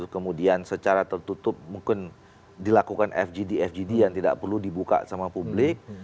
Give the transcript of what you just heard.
kemudian secara tertutup mungkin dilakukan fgd fgd yang tidak perlu dibuka sama publik